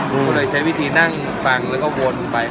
ครูก็เลยใช้วิธีนั่งฟังแล้วก็วนไป